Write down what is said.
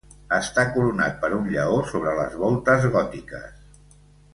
Està coronat per un lleó sobre les voltes gòtiques.